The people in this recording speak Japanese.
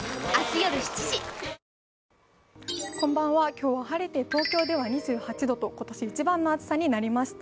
今日は晴れて東京では２８度と今年一番の暑さになりました。